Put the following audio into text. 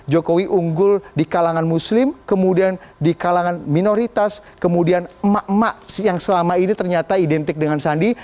jokowi unggul di kalangan muslim kemudian di kalangan minoritas kemudian emak emak yang selama ini ternyata identik dengan sandi